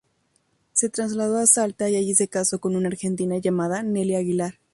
Se trasladó a Salta y allí se casó con una argentina llamada, Nelly Aguilar.